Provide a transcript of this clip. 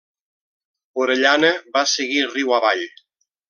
Orellana va seguir riu avall.